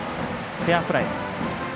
フェアフライ。